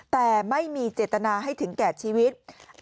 แต่ไม่มีเจตนาให้ถึงแก่ชีวิต